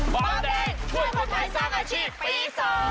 บ๊อบเด็กช่วยคนไทยสร้างอาชีพปี๒